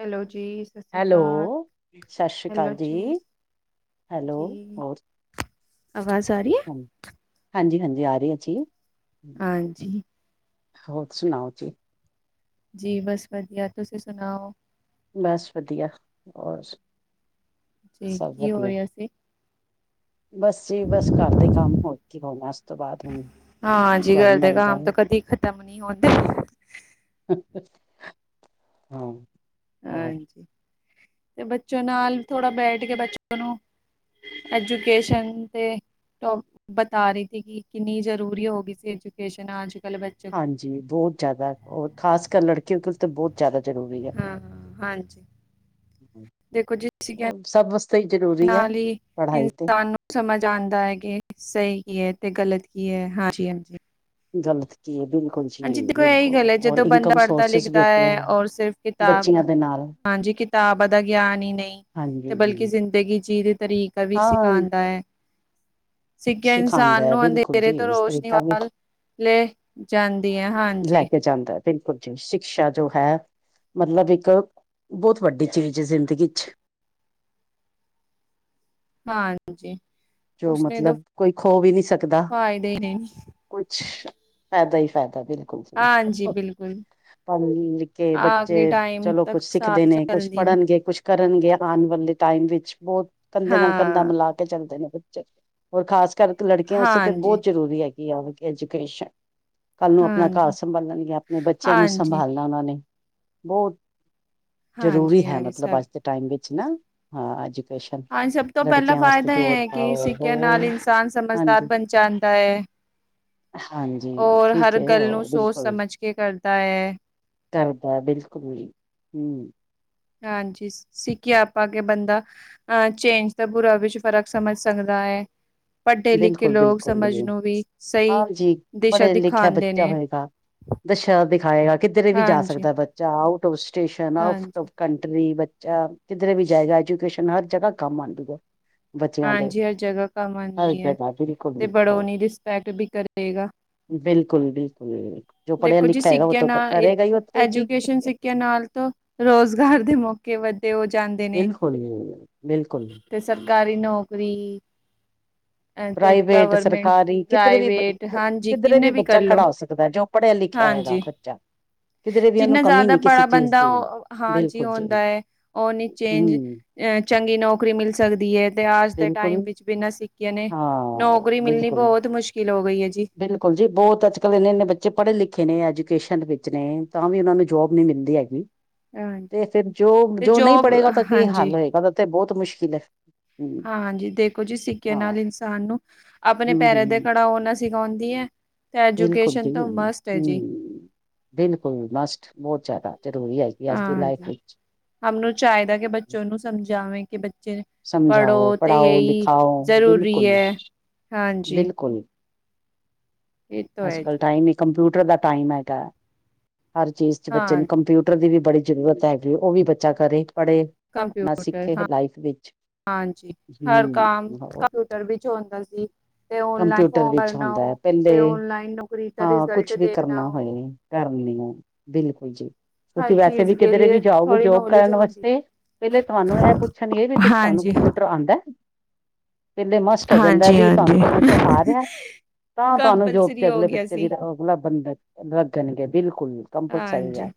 Hello ਜੀ, ਸਤਿ ਸ਼੍ਰੀ ਹੈਲੋ ਅਕਾਲ। ਸਤਿ ਸ੍ਰੀ ਅਕਾਲ ਜੀ ਹੈਲੋ ਜੀ ਹੋਰ ਆਵਾਜ਼ ਆ ਰਹੀ ਹੈ? ਹਾਂ ਹਾਂਜੀ ਹਾਂਜੀ ਆ ਰਹੀ ਹੈ ਜੀ ਹਾਂਜੀ ਹੋਰ ਸੁਣਾਓ ਜੀ ਜੀ ਬਸ ਵਧੀਆ ਤੁਸੀਂ ਸੁਣਾਓ ਬੱਸ ਵਧੀਆ ਹੋਰ ਜੀ ਸਭ ਕੀ ਹੋ ਰਿਹਾ ਸੀ ਬੱਸ ਜੀ ਬੱਸ ਘਰ ਦੇ ਕੰਮ ਹੋਰ ਕੀ ਉਸ ਤੋਂ ਬਾਅਦ ਹੁਣ ਹਾਂਜੀ ਤੁਹਾਡੇ ਘਰ ਦੇ ਨਾਲ ਕੰਮ ਗੱਲ ਤਾਂ ਕੰਮ ਨਹੀਂ ਹੁੰਦੇ ਹਾਂ ਹੋਰ ਹਾਂਜੀ ਤੇ ਬੱਚੋ ਨਾਲ ਥੋੜ੍ਹਾ ਬੈਠ ਕੇ ਬੱਚੋ ਨੂੰ ਐਜੂਕੇਸ਼ਨ ਤੇ ਬਤਾ ਰਹੀ ਸੀ ਕਿ ਕਿੰਨੀ ਜ਼ਰੂਰੀ ਹੋ ਗਈ ਸੀ ਐਜੂਕੇਸ਼ਨ ਅੱਜ ਕੱਲ੍ਹ ਬੱਚੇ ਹਾਂਜੀ ਬਹੁਤ ਜ਼ਿਆਦਾ ਹੋਰ ਖਾਸ ਕਰ ਲੜਕੀਆਂ ਤੋਂ ਤੇ ਬਹੁਤ ਜ਼ਿਆਦਾ ਜ਼ਰੂਰੀ ਹੈ ਹਾਂ ਹਾਂ ਹਾਂਜੀ ਦੇਖੋ ਜਿਸ ਹੋ ਸਭ ਵਾਸਤੇ ਜ਼ਰੂਰੀ ਹੈ ਨਾਲ ਹੀ ਪੜ੍ਹਾਈ ਤੇ ਇਨਸਾਨ ਨੂੰ ਸਮਝ ਆਉਂਦਾ ਹੈ ਕਿ ਸਹੀ ਕੀ ਹੈ ਤੇ ਗਲਤ ਕੀ ਹੈ ਹਾਂਜੀ ਹਾਂਜੀ ਗਲਤ ਕੀ ਹੈ ਬਿਲਕੁਲ ਜੀ ਹਾਂਜੀ ਦੇਖੋ ਇਹੀ ਗੱਲ ਬਿਲਕੁਲ ਹੈ ਔਰ ਜਦੋਂ ਬੰਦਾ ਇਨਕਮ ਪੜ੍ਹਦਾ ਸੋਰਸਿਸ ਵੀ ਲਿਖਦਾ ਹੋਤੇ ਹੈ ਔਰ ਸਿਰਫ਼ ਕਿਤਾਬ ਬੱਚਿਆਂ ਦੇ ਨਾਲ ਹਾਂਜੀ ਕਿਤਾਬਾਂ ਦਾ ਗਿਆਨ ਹੀ ਨਹੀਂ ਅਤੇ ਬਲਕਿ ਹਾਂਜੀ ਜ਼ਿੰਦਗੀ ਜੀਅ ਦਾ ਤਰੀਕਾ ਵੀ ਹਾਂ ਸਿਖਾਉਂਦਾ ਹੈ ਸਿੱਖਿਆ ਸਿਖਾਉਂਦਾ ਇਨਸਾਨ ਹੈ ਨੂੰ ਬਿਲਕੁਲ ਅੰਧੇਰੇ ਜੀ ਤੋਂ ਇਸ ਰੋਸ਼ਨੀ ਵ ਤਰੀਕਾ ਵੀ ਲੈ ਜਾਂਦੀ ਹੈ ਹਾਂ ਲੈ ਕੇ ਜਾਂਦਾ ਹੈ ਬਿਲਕੁਲ ਜੀ ਸ਼ਿਕਸ਼ਾ ਜੋ ਹੈ ਮਤਲਬ ਇੱਕ ਬਹੁਤ ਵੱਡੀ ਚੀਜ਼ ਹੈ ਜ਼ਿੰਦਗੀ ਚ ਹਾਂ ਾਂ ਜੀ ਜੋ ਮੱਤਲਬ ਕੋਈ ਖੋ ਵੀ ਨਹੀਂ ਸਕਦਾ ਫਾਇਦੇ ਨੇ ਕੁਛ ਫਾਇਦਾ ਹੀ ਫਾਇਦਾ ਬਿਲਕੁੱਲ ਹਾਂਜੀ ਬਿਲਕੁੱਲ ‌ ਪੜ੍ਹ ਲਿੱਖ ਕੇ ਬੱਚੇ ਚਲੋ ਤੱਕ ਕੁਛ ਸਿੱਖਦੇ ਸਾਥ ਨੇ ਕੁੱਛ ਚੱਲਦੀ ਨੀ ਪੜ੍ਹਨਗੇ ਕੁੱਛ ਕਰਨਗੇ ਆਉਣ ਵਾਲੇ ਟਾਈਮ ਵਿੱਚ ਬਹੁਤ ਕੰਧੇ ਨਾਲ ਕੰਧਾ ਹਾਂ। ਮਿਲਾ ਕੇ ਚੱਲਦੇ ਨੇ ਬੇ ਹੋਰ ਖਾਸ ਕਰਕੇ ਲੜਕੀਆਂ ਉਸ ਤੇ ਹਾਂਜੀ, ਬਹੁਤ ਜ਼ਰੂਰੀ ਹੈਗੀ ਆ ਐਜੂਕੇਸ਼ਨ ਕੱਲ ਨੂੰ ਆਪਣਾ ਘਰ ਹਾਂਜੀ, ਸੰਭਾਲਣਗ ਆਪਣੇ ਬੱਚਿਆਂ ਨੂੰ ਹਾਂਜੀ, ਸੰਭਾਲਣਾ ਉਹਨਾਂ ਨੇ ਬਹੁਤ ਜ਼ਰੂਰੀ ਹਾਂਜੀ, ਹੈ ਹਾਂਜੀ ਸਭ ਮਤਲਬ ਅੱਜ ਦੇ ਟਾਈਮ ਵਿੱਚ ਨਾ ਹਾਂ ਅੱਜ ਹਾਂਜੀ ਸਭ ਤੋਂ ਪਹਿਲਾਂ ਫਾਇਦਾ ਇਹ ਹੈ ਕਿ ਪਾਓ ਹੋ ਸਿੱਖਿਆ ਨਾਲ ਇਨਸਾਨ ਸਮਝਦਾਰ ਹਾਂਜੀ ਬਣ ਜਾਂਦਾ ਹੈ ਹਾਂਜੀ ਰ ਠੀਕ ਹਰ ਹੈ ਗੱਲ ਨੂੰ ਉਹ ਸੋਚ ਬਿਲਕੁਲ ਸਮਝ ਕੇ ਕਰਦਾ ਹੈ ਕਰਦਾ ਬਿਲਕੁਲ ਵੀ ਹਮ ਹਾਂਜੀ ਸਿੱਖਿਆ ਆਪਾਂ ਕੇ ਬੰਦਾ ਅ ਚੇਂਜ ਦਾ ਬੁਰਾ ਵਿੱਚ ਫ਼ਰਕ ਸਮਝ ਸਕਦਾ ਹੈ ਪੜ੍ਹੇ ਲਿਖੇ ਬਿਲਕੁਲ ਲੋਕ ਸਮਝ ਬਿਲਕੁਲ ਨੂੰ ਵੀ ਸਹੀ ਹਾਂਜੀ ਦਿਸ਼ਾ ਦਿਖਾਉਂਦੇ ਨੇ ਦਸ਼ ਦਿਖਾਏਗਾ ਕਿੱਧਰੇ ਵੀ ਜਾ ਹਾਂਜੀ ਸਕਦਾ ਬ ਬ ਆਊਟਫ ਸਟੇਸ਼ਨ ਆਟ ਹਾਂਜੀ ਕੰਟਰੀ ਬੱਚਾ ਕਿੱਧਰ ਵੀ ਜਾਏਗਾ ਐਜੂਕੇਸ਼ਨ ਹਰ ਜਗ੍ਹਾ ਕੰਮ ਆ ਜੂਗਾ ਹਾਂਜੀ ਹਰ ਜਗ੍ਹਾ ਕੰਮ ਹਰ ਆਉਂਦੀ ਹੈ ਜਗ੍ਹਾ ਬਿਲਕੁਲ ਤੇ ਬੜੋਨੀ ਰਿਸਪੈਕਟ ਵੀ ਕਰੇਗਾ ਬਿਲਕੁਲ ਬਿਲਕੁੁ ਜੋ ਪੜ੍ਹਿਆ ਦੇਖੋ ਜੀ ਲਿਖਾ ਹੈਗਾ ਉਹ ਕਰੇਗਾ ਹੀ ਉੇ ਚੀ ਿਆਂ ਨਾਲ ਤੋਂ ਰੁਜ਼ਗਾਰ ਦੇ ਮੌਕੇ ਵੱਧੇ ਹੋ ਜਾਂਦੇ ਨੇ ਤੇ ਸਰਕਾਰੀ ਨੌਕਰੀ ਤੇ ਪ੍ਰਾਈਵੇਟ ਗਵਰਮੈਂਟ ਸਰਕਾਰੀ ਕਿਧਰੇ ਵੀ ਪ੍ਰਾਈਵੇਟ ਹਾਂਜੀ ਕਿਧਰੇ ਕਿੰਨੇ ਵੀ ਬੱਚਾ ਕਰਲੋ ਖੜਾ ਸਕਦਾ ਜੋ ਪੜ੍ਹਿਆ ਲਿਖਿਆ ਹੈਗਾ ਹਾਂਜੀ ਬੱਚਾ ਕਿਧਰੇ ਵੀ ਉਹਨੂੰ ਜਿੰਨਾ ਕਮੀ ਜ਼ਿਆਦਾ ਨਹੀਂ ਕਿਸੇ ਪੜਾ ਚੀਜ਼ ਬੰਦਾ ਦੀ ਉਹ ਹਾਂਜੀ ਬਿਲਕੁਲ ਜੀ, ਹੁੰਦਾ ਹੈ ਉਹ ਨੀ ਚੇਂਜ ਹੂੰ, ਅ ਚੰਗੀ ਨੌਕਰੀ ਮਿਲ ਸਕਦੀ ਹੈ ਆਜ ਦੇ ਬਿਲਕੁਲ ਟਾਈਮ ਵਿੱਚ ਬਿਨਾਂ ਸਿੱਖੀਆਂ ਨੇ ਹਾਂ, ਨੌਕਰੀ ਮਿਲਣੀ ਬਹੁਤ ਮੁਸ਼ਕਿਲ ਹੋ ਗਈ ਹੈ ਜੀ ਬੁਲ ਜੀ ਬਹੁਤ ਅੱਜ ਕੱਲ੍ਹ ਇੰਨੇ ਇੰਨੇ ਬੱਚੇ ਪੜ੍ਹੇ ਲਿਖੇ ਨੇ ਐਜੂਕੇਸ਼ਨ ਦੇ ਵਿੱਚ ਨੇ ਤਾਂ ਵੀ ਉਹਨਾਂ ਨੂੰ ਜੋਬ ਨੀ ਮਿਲਦੀ ਹੈਗੀ ਹਾਂਜੀ ਤੇ ਫਿਰ ਜੋ ਤੇ ਜੋ ਨਹੀਂ ਜੋਬ ਪੜ੍ਹੇਗਾ ਉਹ ਤਾਂ ਕੀ ਹਾਂਜੀ ਹੱਲ ਹੋਏਗਾ ਉਹ ਤੇ ਬਹੁਤ ਮੁਸ਼ਕਿਲ ਹੈ ਹੂੰ, ਹਾਂਾਂਜੀ ਦੇਖੋ ਜੀ ਸਿੱਕੇ ਹਾਂ, ਨਾਲ ਇਨਸਾਨ ਨੂੰ ਆਪਣੇ ਹੂੰ, ਪੈਰਾਂ ਦੇ ਹੂੰ। ਕੜਾ ਉਹਨਾਂ ਸਿਖਾਉਂਦੀ ਹੈ ਤੇ ਬਿਲਕੁਲ ਐਜੂਕੇਸ਼ਨ ਜੀ ਤੋਂ ਮਸਤ ਹੈ ਜੀ ਹੂੰ। ਬਿਲਕੁਲ ਮਸਟ ਬਹੁਤ ਜ਼ਿਆਦਾ ਜ਼ਰੂਰੀ ਹੈ ਹਾਂਜੀ ਹਨੂੰ ਚਾਹੀਦਾ ਕਿ ਬੱਚੋਂ ਨੂੰ ਸਮਝਾਵੇ ਕਿ ਸਮਝਾਓ, ਪੜ੍ਹੋ ਤੇ ਪੜ੍ਹਾਓ, ਇਹੀ ਲਿਖਾਓ ਜ਼ਰੂਰੀ ਬਿਲਕੁਲ। ਹੈ ਹਾਂਜੀ ਬਿਲਕੁਲ ਇਹ ਤਾਂ ਅੱਜ ਹੈ ਕੱਲ ਜੀ ਟਾਈਮ ਹੀ ਕੰਪਿਊਟਰ ਦਾ ਟਾਈਮ ਹੈਗਾਾ ਹਰ ਚੀਜ਼ 'ਚ ਬੱਚੇ ਹਾਂ ਨੂੰ ਕੰਪਿਊ ਦੀ ਵੀ ਬੜੀ ਜ਼ਰੂਰਤ ਹੈਗੀ ਉਹ ਵੀ ਬੱਚਾ ਕਰੇ ਪੜ੍ਹੇ ਆਪਣਾ ਕੰਪਿਊਟਰ ਸਿੱਖੇ ਹਾਂ ਲਾਈਫ ਵਿੱਚ ਹਾਂਜੀ ਹਰ ਕੰਮ ਹੂੰ ਹੋਰ ਕੰਪਿਊਟਰ ਵਿੱਚ ਹੁੰਦਾ ਸੀ ਤੇ ਓਨਲਾਈਨ ਕੰਪਿਊਟਰ ਫੋਮ ਵਿੱਚ ਭਰਨਾ ਹੁੰਦਾ ਹੈ ਤੇ ਪਹਿਲੇ ਓਨਲਾਈਨ ਨੌਕਰੀ ਦਾ ਰਿਜ਼ਲਟ ਦੇਖਣਾ ਕਰਨ ਆ ਬਿਲਕੁਲ ਜੀ ਹਰ ਤੁਸੀਂ ਵੈਸੇ ਚੀਜ਼ ਵੀ ਕੇ ਕਿਧਰੇ ਵੀ ਲੀਏ ਜਾਓਗੇ ਥੋੜੀ ਯੋਗ ਨੌਲੇਜ ਕਰਨ ਹੁੰਦੀ ਵਾਸਤੇ ਪਹਿਲੇ ਤੁਹਾਨੂੰ ਇਹ ਪੁੱਛਣਏ ਵੀ ਤੁਸੀਂ ਤੁਹਾਨੂੰ ਹਾਂਜੀ ਕੰਪਿਊਟਰ ਆਉਂਦਾ ਕਹਿੰਦੇ ਮਸਟ ਹੋ ਜਾਂਦਾ ਹਾਂਜੀ ਵੀ ਤੁਹਾਨੂੰ ਕੰਪਿਊਟਰ ਹਾਂਜੀ ਆ ਰਿਹਾ ਤਾਂ ਤੁਹਾਨੂੰ ਜੋ ਕੰਪਲਸਰੀ ਹੋ ਅਗਲੇ ਗਿਆ ਬੱਚੇ ਵੀ ਸੀ ਅਗਲਾ ਬੰ ਲੱਗਣਗੇ ਬਿਲਕੁਲ ਕੰਪਲਸਰੀ ਹੈ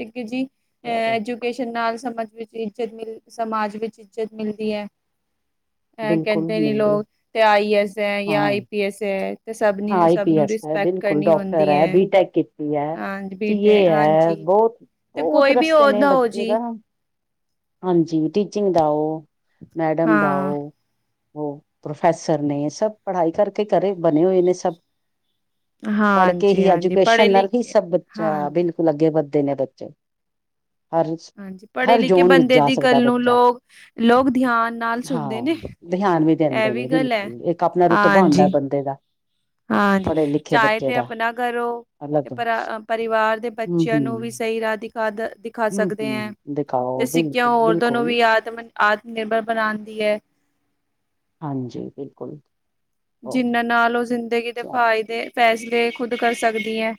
ਇਕ ਜੀ ਨਾਲ ਸਮਾਜ ਵਿੱਚ ਇੱਜਤ ਮਿਲ ਸਮਾਜ ਵਿੱਚ ਇੱਜਤ ਮਿਲਦੀ ਹੈ ਅ ਬਿਲਕੁਲ ਕਹਿੰਦੇ ਨੀ ਮਿਲਦੀ ਲੋਕ ਤੇ ਆਈਏ ਐਸ ਹੈ ਜਾਂ ਹਾਂ। ਆਈ ਪੀ ਐਸ ਹੈ ਤੇ ਸਭ ਹਾਂ, ਨੇ ਆਈ ਸਭ ਪੀ ਨੂੰ ਐਸ ਹੈ। ਰਿਸਪੈਕਟ ਬਿਲਕੁਲ ਕਰਨੀ ਡਾਕਟਰ ਹੁੰਦੀ ਹੈ। ਬੀਟੈਕ ਕੀਤੀ ਹੈ। ਹਾਂਜੀ ਬੀਟੈਕ ਇਹ ਹੈ। ਹਾਂਜੀ ਬਹੁਤ, ਤੇ ਬਹੁਤ ਕੋਈ ਵੀ ਰਸਤੇ ਨੇ, ਉਹਦਾ ਹੋ ਬੱਚੇ ਜੀ ਦਾ। ਹਾਂਜੀ, ਟੀਚਿੰਗ ਦਾ ਓ, ਮੈਡਮ ਦਾ ਹਾਂ ਓ। ਉਹ ਪ੍ਰੋਫੈਸਰ ਨੇ। ਸਭ ਪੜਾਈ ਕਰਕੇ, ਕਰੇ ਬਣੇ ਹੋਏ ਨੇ ਸਭ। ਪੜ੍ਹਕੇ ਹਾਂਜੀ ਹੀ ਹਾਂਜੀ ਐਜੂਕੇਸ਼ਨ ਪੜ੍ਹੇ ਨਾਲ ਹੀ ਲਿਖੇ ਸਭ ਬੱਚਾ ਹਾਂਜੀ ਬਿਲਕੁਲ ਲੱਗੇ ਵੱਧਦੇ ਨੇ ਬੱਚੇ ਹਰ [unintelligible] [inaudible] ਹਾਂਜੀ ਪੜ੍ਹੇ ਹਰ ਲਿਖੇ ਜ਼ੋਨ ਵਿੱਚ ਬੰਦੇ ਜਾ ਦੀ ਸਕਦਾ ਗੱਲ ਨੂੰ ਬੱਚਾ ਲੋਕ ਲੋਕ ਧਿਆਨ ਨਾਲ ਸੁਣਦੇ ਹਾਂ ਨੇ ਧਿਆਨ ਵੀ ਇਹ ਦਿੰਦੇ ਨੇ ਵੀ ਗੱਲ ਹੈ ਬਿਲਕੁਲ ਇੱਕ ਆਪਣਾ ਰੁਤਬਾਣਂਦਾ ਹਾਂਜੀ ਬੰਦੇ ਦਾ ਹਾਂਜੀ ਪੜ੍ਹੇ ਲਿਖੇ ਚਾਹੇ ਬੱਚੇ ਤੇ ਦਾ ਆਪਣਾ ਕਰੋ ਤੇ ਅਲੱਗ ਪਰ ਪਰਿਵਾਰ ਦੇ ਹੂੰ ਬੱਚਿਆਂ ਨੂੰ ਵੀ ਹੂੰ ਸਹੀ ਰਾਹ ਦਿਖਾ ਖਾ ਹੂੰ ਸਕਦੇ ਹੈ ਹੂੰ ਤੇ ਦਿਖਾਓ ਸਿੱਕਿਆ ਬਿਲਕੁਲ ਔਰਤਾਂ ਨੂੰ ਵੀ ਬਿਲਕੁਲ ਆਤਮ ਆਤਮ ਨਿਰਭਰ ਬਣਾਉਣਦੀ ਹੈ ਹਾਂਜੀ ਬਿਲਕੁਲ ਜਿਨਾਂ ਨਾਲ ਉਹ ਜ਼ਿੰਦਗੀ ਦੇ ਓਕੇ ਫਾਇਦੇ ਫੈਸਲੇ ਖੁਦ ਕਰ ਸਕਦੀ ਹੈ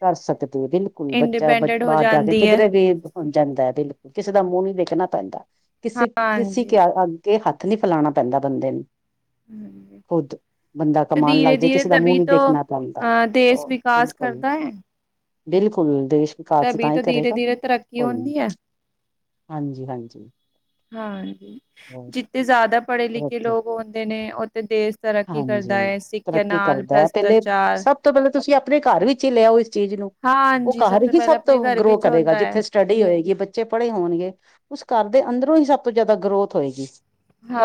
ਕਰ ਸਕਦੇ ਹੋ, ਬਿਲਕੁਲ ਬੱਚਾ ਇੰਡੀਪੈਂਡੈਂਟ ਹੋ ਬਾਹਰ ਜਾ ਕੇ। ਜਾਂਦੀ ਹੈ ਕਿਧਰੇ ਵੀ ਜਾਂਦਾ ਹੈ। ਬਿਲਕੁਲ ਕਿਸੇ ਦਾ ਮੂੰਹ ਨੀ ਦੇਖਣਾ ਪੈਂਦਾ। ਕਿਸੇ, ਕਿਸੀ ਹਾਂਜੀ ਕ- ਕੇ ਹੱਥ ਨੀ ਫੈਲਾਣਾ ਪੈਂਦਾ, ਬੰਦੇ ਨੂੰ। [inaudible] ਖੁਦ ਬੰਦਾ ਤੇ, ਕਮਾਉਣ ਲੱਗ ਧੀਰੇ- ਜਾੇ ਧੀਰੇ ਕਿਸੇ ਦਾ ਮੂੰਹ ਤਭੀ ਨੀ ਤੋਂ, ਦੇਖਣਾ ਪੈਂਦਾ ਅਹ ਦੇਸ ਵਿਕਾਸ ਬਿਲਕੁਲ ਕਰਦਾ ਹੈ। ਬਿਲਕੁਲ, ਦੇਸ਼ ਕਾਲਸ, ਤਭੀ ਤਾਂ ਹੀ ਧੀਰੇ ਕਰੇਗਾ, ਧੀਰੇ ਤਰੱਕੀ ਕੋਈ ਨ। ਹੁੰਦੀ ਹੈ ਹਾਂਜੀ- ਹਾਂਜੀ। ਹਾਂਜੀ। ਹੋਰ ਜਿੱਥੇ ਜ਼ਿਆਦਾ ਪੜੇ- ਲਿਖੇ, ਤਰੱਕੀ ਲੋਕ ਆਉਂਦੇ ਨੇ, ਉੱਥੇ ਦੇਸ਼। ਤਰੱਕੀ ਕਰਦਾ ਹਾਂਜੀ ਹੈ। ਸਿੱਖਿਆ ਤਰੱਕੀ ਨਾਲ, ਕਰਦਾ ਹੈ ਪਹਿਲੇ ਭ੍ਰਿਸ਼ਟਾਚਾਰ। ਸਭ ਤੋਂ ਪਹਿਲਾਂ, ਤੁਸੀਂ ਆਪਣੇ ਘਰ ਵਿੱਚ ਹੀ, ਲਿਆਓ ਇਸ ਚੀਜ਼ ਨੂੰ। ਉਹ ਹਾਂਜੀ ਘਰ ਹੀ ਪਹਿਲਾਂ ਸਭ ਆਪਣੇ ਤੋਂ ਘਰ ਗਰੋ ਵਿੱਚ ਕਰੇਗਾ ਹੁੰਦਾ ਹੈ ਜਿੱਥੇ। ਸਟੱਡੀ ਹੋਏਗੀ। ਬੱਚੇ ਪੜੇ ਹੋਣਗੇ। ਉਸ ਘਰ ਦੇ ਅੰਦਰੋਂ ਹੀ, ਸਭ ਤੋਂ ਜ਼ਿਆਦਾ ਗਰੋਥ ਹੋਏਗੀ।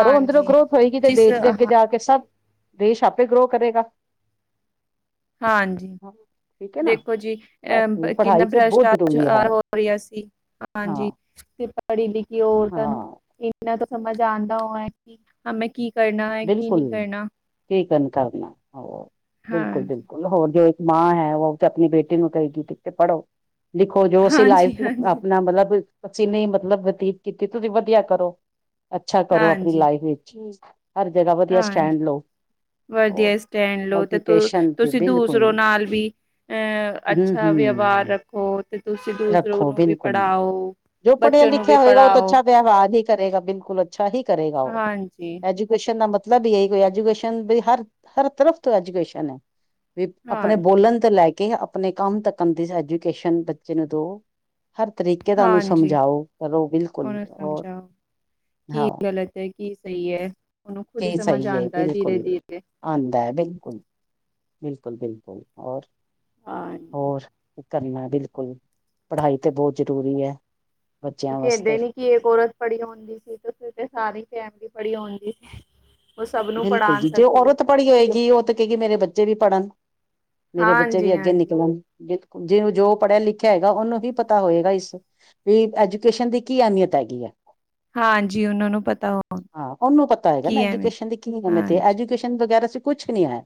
ਘਰੋ ਅੰਦਰੋਂ, ਗਰੋਥ ਹੋਏਗੀ। ਤੇ ਜਿਸ ਦੇਸ਼ ਦੇ ਹਾਂ ਅੱਗੇ ਜਾ ਕੇ ਸਭ, ਦੇਸ਼ ਆਪੇ ਗਰੋ ਕਰੇਗਾ। ਹਾਂਜੀ। ਠੀਕ ਹੈ ਨਾ ਦੇਖੋ ਜੀ। ਬਸ ਅਹ ਕਿੰਨਾ, ਪੜ੍ਹਾਈ ਤੇ ਬਹੁਤ ਜ਼ਰੂਰੀ ਹੈ ਭ੍ਰਿਸ਼ਟਾਚਾਰ ਹੋ ਰਿਹਾ ਸੀ। ਹਾਂ ਹਾਂਜੀ। ਤੇ ਪੜੀ- ਲਿਖੀ ਔਰਤਾਂ ਨੂੰ, ਹਾਂ ਇਨਾ ਤੇ ਸਮਝ ਆਉਂਦਾ ਹੋ ਹੈ। ਹਾਂ ਮੈਂ, ਕੀ ਕਰਨਾ ਹੈ, ਕੀ ਨਹੀਂ ਕਰਨਾ। ਕੀਕਨ ਕਰਨਾ ਅਪਨਾ ਹੋਰ। ਬਿਲਕੁਲ- ਹਾਂਜੀ ਬਿਲਕੁਲ ਹੋਰ ਜੋ। ਮਾਂ ਹੈ ਉਹ, ਤੇ ਆਪਣੀ ਬੇਟੀ ਨੂੰ, ਕਹੇਗੀ ਤੇ, ਪੜੋ। ਦੇਖੋ ਜੋ, ਅਸੀਂ ਹਾਂਜੀ ਲਾਈਫ ਨੂੰ, ਹਾਂਜੀ ਆਪਣਾ ਮਤਲਬ ਅਸੀਂ, ਨਹੀਂ ਮਤਲਬ ਬਤੀਤ ਕੀਤੀ। ਤੁਸੀਂ ਵਧੀਆ ਕਰੋ। ਅੱਛਾ ਕਰੋ, ਆਪਣੀ ਹਾਂਜੀ ਲਾਈਫ ਵਿੱਚ। ਹਰ ਜਗਾ ਵਧੀਆ ਹਾਂਜੀ। ਸਟੈਂਡ ਲਓ। ਵਧੀਆ ਸਟੈਂਡ ਲੋ, ਤੇ ਐਜੂਕੇਸ਼ਨ ਤੇ ਤੁਸੀਂ, ਬਿਲਕੁਲ ਦੂਸਰੋ ਨਾਲ ਵੀ। ਅ- ਹੂੰ ਅੱਛਾ ਵਿਵਹਾਰ ਹੂੰ ਰੱਖੋ। ਤੇ ਤੁਸੀਂ, ਦੂਸਰੋ ਰੱਖੋ ਨੂੰ ਵੀ ਬਿਲਕੁਲ ਪੜਾਓ। ਜੋ ਪੜਿਆ- ਲਿਖਿਆ, ਹੋਏਗਾ। ਉਹ ਤਾਂ ਅੱਛਾ, ਵਿਵਹਾਰ ਹੀ ਕਰੇਗਾ। ਬਿਲਕੁਲ ਅੱਛਾ ਹੀ, ਕਰੇਗਾ ਉਹ। ਹਾਂਜੀ। ਐਜੂਕੇਸ਼ਨ ਦਾ, ਮਤਲਬ ਹੀ ਐ ਹੋਇਆ। ਕੋਜੂਕੇਸ਼ਨ ਹਰ, ਹਰ ਤਰਫ ਤੋਂ ਐਜੂਕੇਸ਼ਨ ਹੈ। ਵੀ ਆਪਣੇ ਹਾਂਜੀ ਬੋਲਣ ਤੋਂ ਲੈ ਕੇ। ਆਪਣੇ ਕੰਮ, ਤੱਕ ਦੀ ਐਜੂਕੇਸ਼ਨ। ਜਿਨੂੰ ਦੋ, ਹਰ ਤਰੀਕੇ। ਰਿਕੇ ਦਾ, ਤੁਹਾਨੂੰ ਹਾਂਜੀ ਸਮਝਾਓ, ਕਰੋ ਬਿਲਕੁਲਰ, ਉਹਨੂੰ ਹੋਰ ਹਾਂ। ਤੇ ਕੀ ਸਹੀ ਹੈ। ਉਹਨੂੰ ਖੁਦ ਹੀ, ਕੀ ਸਮਝ ਸਹੀ ਹੈ ਆਉਂਦਾ ਬਿਲਕੁਲ ਧੀਰੇ- ਧੀਰੇ। ਆਉਂਦਾ ਹੈ। ਬਿਲਕੁਲ, ਬਿਲਕੁਲ- ਬਿਲਕੁਲ ਹੋਰ। ਹਾਂਜੀ। ਹੋਰ? ਕਰਨਾ ਬਿਲਕੁਲ। ਪੜਾਈ ਤੇ ਬੋਤ, ਜ਼ਰੂਰੀ ਹੈ। ਓ ਬੱਚਿਆਂ ਕੈਂਦੇ ਵਾਸਤੇ ਨੇ ਕਿ, ਏਕ ਔਰਤ ਪੜੀ ਓਂਦੀ ਸੀ ਤੇ, ਫੇਰ ਤੇ ਸਾਰੀ ਫੈਮਲੀ ਪੜੀ ਓਂਦੀ ਸੀ। ਓ ਸਭ ਨੂੰ, ਪੜਾਨ ਸਕਦੀ ਏ। ਪੜੀ ਹੋਏਗੀ। ਓ ਤੇ, ਕਏਗੀ ਮੇਰੇ ਬੱਚੇ ਵੀ ਪੜਨ, ਮੇਰੇ ਬੱਚੇ ਹਾਂਜੀ ਵੀ ਅੱਗੇ ਹਾਂਜੀ। ਨਿਕਲਨ। ਜਿਨੂੰ ਜੋ ਪੜਯਾ- ਲਿਖਆ ਹੋਏਗਾ। ਓਨੂੰ ਹੀ ਪਤਾ ਹੋਏਗਾ ਇਸ ਵੀ ਐਜੂਕੇਸ਼ਨ ਦੀ, ਕੀ ਐਮਿਯਤ ਹੈਗੀ ਐ? ਹਾਂਜੀ ਉਹਨਾਂ ਨੂੰ ਪਤਾ ਹੋ ਹਾਂ, ਓਨੂੰ ਪਤਾ ਹੋਏਗਾ ਨਾ, ਕੀ ਐਵੇਂ ਐਜੂਕੇਸ਼ਨ ਕੀ ਕੀ ਆਂ ਮੈਂ ਤੇ, ਹਾਂਜੀ ਐਜੂਕੇਸ਼ਨ ਵਗੈਰਾ ਚ ਕੁਛ ਨੀ ਐ।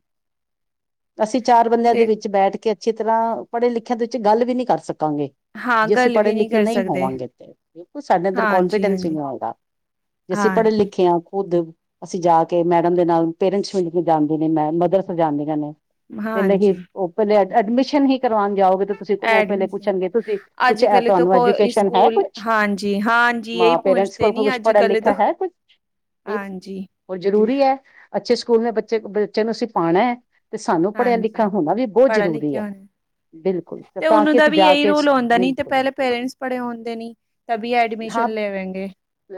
ਅਸੀ ਚਾਰ ਬੰਦਿਆਂ ਦੇ ਦੇਖ ਵਿੱਚ ਬੈਠ ਕੇ ਅੱਛੀ ਤਰਾਂ, ਪੜੇ ਲਿਖਿਆ ਦੇ ਵਿੱਚ ਗੱਲ ਵੀ ਨੀ ਕਰ ਸਕਾਂਗੇ। ਹਾਂ ਜੇ ਅਸੀ ਗੱਲ ਵੀ ਨਹੀਂ ਪੜੇ-ਲਿਖੇ ਕਰ ਨਹੀ ਸਕਦੇ ਹੋਵਾਂਗੇ, ਤੇ ਬਿਲਕੁਲ ਸਾਡੇ ਅੰਦਰ ਹਾਂਜੀ ਕੋਨਫੀਡੈਂਸ ਈ ਨੀ ਹਾਂਜੀ ਹੋਏਗਾ। ਜੇ ਅਸੀ ਹਾਂਜੀ ਪੜੇ-ਲਿਖੇ ਆਂ ਖੁਦ ਅਸੀ ਜਾ ਕੇ, ਮੈਡਮ ਦੇ ਨਾਲ। ਪੇਰੇਂਟਸ ਮੀਟਿੰਗ ਵੀ ਜਾਂਦੇ ਨੇ, ਮੈਂ ਮਦਰਸ ਜਾਂਦੀ ਰਹਿੰਦੇ ਨੇ। ਪੈਲੇ ਹੀ, ਹਾਂਜੀ ਓ ਪੈਲੇ ਐਡਮਿਸ਼ਨ ਹੀ ਕਰਵਾਨ ਜਾਓ, ਤ- ਤੁਸੀਂ, ਉਹ ਪਹਿਲੇ ਐਡਮਿਸ ਪੁੱਛਣਗੇ? ਤੁਸੀਂ ਕੁਛ ਅੱਜ ਇਹ ਕੱਲ ਤੋਂ ਤੁਹਾਨੂੰ ਕੋਈ ਐਜੂਕੇਸ਼ਨ ਹੈ ਸਕੂਲ ਕੁਛ, ਹਾਂਜੀ ਹਾਂਜੀ ਮਾਂ। ਇਹੀ ਪੇਰੈਂਟਸ ਪੂਛਤੇ ਕੂਲ ਨੀ ਕੁਛ ਅੱਜ ਪੜਾ- ਕੱਲ ਲਿਖਾ ਤੋਂ ਹੈ, ਕੁਛ। ਹਾਂਜੀ। ਉਹ ਜ਼ਰੂਰੀ ਹੈ। ਅੱਛੇ ਸਕੂਲ ਮੈਂ, ਬੱਚੇ ਬੱਚਿਆਂ ਕੋ, ਅਸੀ ਪਾਉਣਾ ਹੈ। ਤੇ ਸਾਨੂੰ ਪੜ੍ਹਿਆ ਲਿਖਿਆ ਹਾਂਜੀ। ਹੋਣਾ ਵੀ ਬਹੁਤ ਪੜਿਆ- ਜ਼ਰੂਰੀ ਲਿਖਿਆ ਹੈ ਹੋਣਾ। ਬਿਲਕੁਲ ਤੇ ਤਾਂ ਉਹਨੂੰ ਕਿ ਦਾ ਅਸੀਂ ਵੀ, ਜਾ ਇਹੀ ਕੇ ਰੂਲ ਹਉਂਦਾ ਨੀ। ਤੇ ਬਿਲਕੁਲ ਪਹਿਲੇ ਪੇਰੈਂਟਸ ਪੜੇ ਹੁੰਦੇ, ਨੀ। ਤਬੀ, ਐਡਮੀਸ਼ਨ ਲੇਵੇਂਗੇ।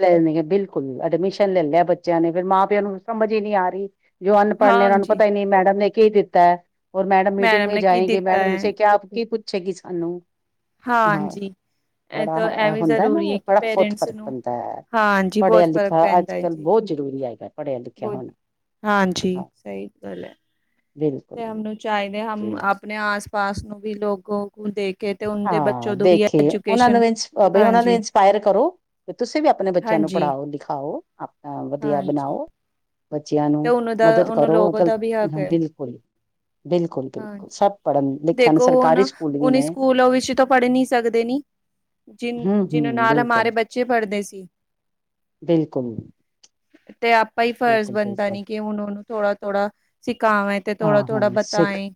ਲੈਨਗੇ ਬਿਲਕੁਲ, ਐਡਮਿਸ਼ਨ ਲੈ ਨੇਯਾ ਬੱਚੇਯਾ ਨੇ, ਫੇਰ ਮਾਂ- ਪਿਓ ਨੂੰ ਸਮਝ ਈ ਨੀ ਆ ਰੀ। ਜੋ ਅਨਪੜ ਨੇ, ਉਨਾਂ ਨੂੰ ਹਾਂਜੀ ਪਤਾ ਈ ਨੀ ਮੈਡਮ ਨੇ ਕੀ ਦਿੱਤਾ। ਔਰ ਮੈਡਮ ਮੀਟਿੰਗ ਮੇਂ ਨੇ ਕੀ ਜਾਏਂਗੇ, ਦਿੱਤਾ ਮੈਡਮ ਹੈ ਸੇ ਕਿਆ, ਕੀ ਪੁੱਛੇਗੀ ਸਾਨੂੰ? ਹਾਂ ਹਾਂਜੀ। ਐ ਬੜਾ ਤਾ ਐਵੀ ਹੁੰਦਾ ਨਾ ਜ਼ਰੂਰੀ ਏ ਕਿ ਬੜਾ ਬਹੁਤ ਪੇਰੇਂਟਸ ਫ਼ਰਕ ਨੂੰ, ਪੈਂਦਾ ਹੈ ਹਾਂਜੀ, ਪੜ੍ਹਿਆ ਬਹੁਤ ਫ਼ਰਕ ਲਿਖਿਆ ਅੱਜ ਪੈਂਦਾ ਏ ਕੱਲ ਜੀ। ਬਹੁਤ ਜ਼ਰੂਰੀ ਹੈਗਾ ਪੜ੍ਹਿਆ ਲਿਖਿਆ ਹੋਣਾ ਹਾਂਜੀ, ਹਾਂ ਸਹੀ ਗੱਲ ਐ। ਬਿਲਕੁਲ ਤੇ ਹਮ ਨੂੰ ਚਾਹੀਦੇ, ਹਮ ਜੀ ਆਪਨੇ ਆਸ-ਪਾਸ ਨੂੰ ਵੀ ਲੋਗੋ ਕੋ ਦੇਕੇ ਤੇ ਉਨਕੇ ਬੱਚੋਂ ਹਾਂ, ਤੋਂ ਵੀ ਦੇਖੇ ਓਨਾਂ ਨੂੰ ਐਜੂਕੇਸ਼ਨ ਵੀ ਇੰਸ, ਅ ਬਈ ਓਨਾਂ ਨੂੰ ਹਾਂਜੀ, ਇੰਸਪਾਯਰ ਕਰੋ। ਤੇ ਤੁਸੀ ਵੀ ਆਪਨੇ ਬੱਚਿਆ ਨੂੰ ਹਾਂਜੀ, ਪੜਾਓ, ਲਿਖਾਓ, ਆਪਨਾ ਵਧੀਆ ਹਾਂਜੀ ਬਨਾਓ। ਬੱਚਿਆ ਨੂੰ ਤੇ ਉਹਨਾਂ ਦਾ ਮਦਦ ਉਹਨਾਂ ਕਰੋ, ਲੋਗੋ ਦਾ ਵੀ ਹੱਕ ਬਿਲਕੁਲ। ਹੈ ਬਿਲਕੁਲ, ਬਿਲਕੁਲ ਹਾਂਜੀ ਸਭ ਪੜਨ-ਲਿੱਖਨ, ਸਰਕਾਰੀ ਸਕੂਲ ਵੀ ਨੇ ਤੋ ਪੜ ਨੀ ਸਕਦੇ ਨੀ, ਜਿਨ ਹੂੰ ਜਿਨਾਂ ਹੂੰ ਨਾਲ ਹਮਾਰੇ ਬਿਲਕੁਲ ਬੱਚੇ ਪੜਦੇ ਸੀ। ਬਿਲਕੁਲ। ਤੇ ਆਪਾ ਈ ਫਰਜ਼ ਬਿਲਕੁਲ ਬਣਦਾ ਬਿਲਕੁਲ ਨੀ ਕਿ ਹੁਨ ਓਨੂੰ ਥੋੜਾ-ਥੋੜਾ ਸਿਖਾਵੈਂ ਤੇ ਥੋੜਾ- ਥੋੜਾ ਬਤਾਏਂ।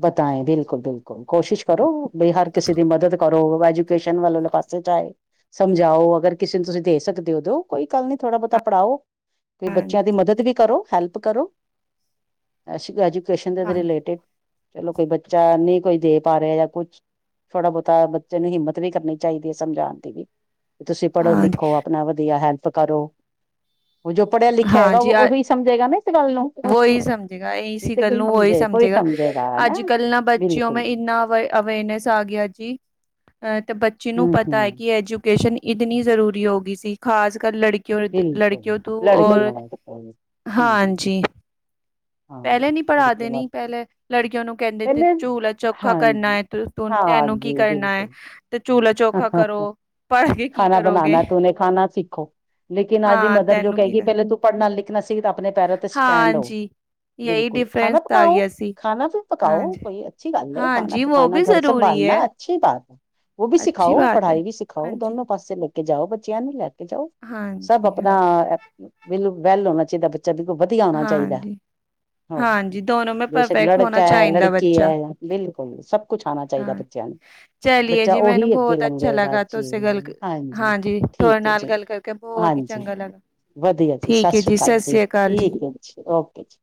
ਬਤਾਏਂ ਬਿਲਕੁਲ, ਬਿਲਕੁਲ ਕੋਸ਼ਿਸ਼ ਕਰੋ ਬਈ ਹਰ ਕਿਸੇ ਦੀ ਮਦਦ ਕਰੋ, ਐਜੂਕੇਸ਼ਨ ਵਾਲੇ ਪਾਸੇ ਚ ਜਾਏ। ਸਮਝਾਓ, ਅਗਰ ਕਿਸੇ ਨੂੰ ਤੁਸੀ ਦੇ ਸਕਦੇ ਓ, ਦੇਯੋ। ਕੋਈ ਗੱਲ ਨੀ ਥੋੜਾ ਬੋਤਾ ਪੜਾਓ ਤੇ ਬੱਚਿਆ ਦੀ ਹਾਂਜੀ, ਮਦਦ ਵੀ ਕਰੋ, ਹੈਲਪ ਕਰੋ। ਅੱਛੀ ਐਜੂਕੇਸ਼ਨ ਦੇ ਹਾਂਜੀ, ਰਿਲੇਟਿਡ, ਚਲੋ ਕੋਈ ਬੱਚਾ ਨਈ ਕੋਈ ਦੇ ਪਾ ਰਿਹਾ ਯਾ ਕੁਛ ਥੋੜਾ ਬੋਤਾ ਬੱਚੇ ਨੂੰ ਹਿੰਮਤ ਵੀ ਕਰਨੀ ਚਾਹੀਦੀ ਏ ਸਮਝਣ ਦੀ ਵੀ ਤੁਸੀ ਹਾਂਜੀ, ਪੜੋ-ਲਿਖੋ, ਆਪਣਾ ਵਧੀਆ ਹੈਲਪ ਕਰੋ। ਉਹ ਜੋ ਪੜਿਆ-ਲਿਖਿਆ ਹੋਏਗਾ, ਉਹ ਵੀ ਸਮਝੇਗਾ ਨਾ ਇਸ ਗੱਲ ਨੂੰ। ਉਹੀ ਨਹੀਂ ਸਮਝੇਗਾ ਇਸੀ ਤੇ ਗੱਲ ਕੋਈ ਨੂੰ, ਉਹੀ ਸਮਝੇ ਕੋਈ ਸਮਝੇਗਾ। ਅੱਜ-ਕੱਲ ਨਾ ਬੱਚਿਓ ਬਿਲਕੁਲ ਮੇਂ ਇੰਨਾ ਵ ਅਵੇਰਨੈਸ ਆ ਗਿਆ ਜੀ, ਅਤੇ ਬੱਚੀ ਨੂੰ ਹੂੰ ਪਤਾ ਐ ਹੂੰ ਕਿ ਐਜੂ ਐਜੂਕੇਸ਼ਨ ਇਤਨੀ ਜ਼ਰੂਰੀ ਹੋਗੀ ਸੀ, ਖਾਸ ਕਰ ਲੜਕੀ ਬਿਲਕੁਲ ਲੜਕਿਓ ਤੂ ਲੜਕੀਆਂ ਔਰ, ਵਾਸਤੇ ਹੂੰ ਹੂੰ ਹਾਂਜੀ। ਹਾਂ ਪਹਿਲੇ ਨੀ ਪੜਾ ਲੜਕੀਆਂ ਦੇਨੀ ਵਾਸਤੇ ਪਹਿਲੇ ਲੜਕੀਆ ਨੂੰ ਕਹਿੰਦੇ, ਤੇ ਪਹਿਲੇ ਚੂਲਾ ਚੋਖਾ ਕਰਨਾ ਹਾਂਜੀ ਏ ਤੂੰ, ਤੂੰ ਤੈਨੂੰ ਕੀ ਕਰਨਾ ਏ। ਕੀ ਖਾਣਾ ਕਰੋਗੇ ਬਣਾਉਣਾ ਤੂੰਨੇ, ਖਾਣਾ ਸਿੱਖੋ। ਲੇਕਿਨ ਅੱਜ ਦੀ ਹਾਂ ਮਦਰ ਜੋ ਤੈਨੂੰ ਕੀ ਕਹੇਗੀ ਕਰ ਪਹਿਲੇ ਤੂੰ ਪੜ੍ਹਨਾ ਲਿਖਣਾ ਸੀ ਆਪਣੇ ਪੈਰਾਂ ਤੇ ਸਟੈਂਡ ਆ ਹਾਂਜੀ ਯਹੀ ਬਿਲਕੁਲ, ਡਿਫਰੈਂਸ ਖਾਣਾ ਆ ਪਕਾਓ, ਗਿਆ ਸੀ ਖਾਣਾ ਵੀ ਪਕਾਓ ਹਾਂਜੀ ਕੋਈ ਅੱਛੀ ਗੱਲ ਹੈ ਖਾਣਾ ਹਾਂਜੀ ਪਕਾਣਾ, ਘਰ ਸੰਭਾਲਣਾ ਅੱਛੀ ਬਾਤ ਹੈ ਉਹ ਵੀ ਸਿਖਾਓ ਪੜ੍ਹਾਈ ਵੀ ਸਿਖਾਓ ਹਾਂਜੀ ਦੋਨੋ- ਪਾਸੇ ਲੈ ਕੇ ਜਾਓ ਬੱਚਿਆਂ ਨੂੰ ਲੈ ਕੇ ਜਾਓ ਸਭ ਆਪਣਾ ਵੈਲ ਹੋਣਾ ਚਾਹੀਦਾ ਵਧੀਆ ਆਉਣਾ ਚਾਹੀਦਾ ਹੈ। ਬੇਸ਼ੱਕ ਲੜਕਾ ਹੈ ਲੜਕੀ ਹੈ ਬਿਲਕੁਲ ਸਭ ਕੁਛ ਆਉਣਾ ਚਾਹੀਦਾ ਬੱਚਿਆਂ ਨੂੰ ਚਲੀਏ ਬੱਚਾ ਜੀ ਮੈਨੂੰ ਉਹੀ ਅੱਗੇ ਬਹੁਤ ਅੱਛਾ ਲੰਘੇਗਾ ਲੱਗਾ ਜੀ ਤੁਸੀਂ ਗੱਲ, ਹਾਂਜੀ ਤੁਹਾਡੇ ਠੀਕ ਹੈ ਨਾਲ ਜੀ ਗੱਲ ਕਰ ਬਹੁਤ ਹੀ ਹਾਂਜੀ ਚੰਗਾ ਲੱਗਾ ਵਧੀਆ ਜੀ ਠੀਕ ਸਤਿ ਹੈ ਸ਼੍ਰੀ ਅਕਾਲ ਜੀ ਸ੍ਰੀ ਅਕਾਲ ਠੀਕ ਹੈ ਜੀ ਓਕੇ ਜੀ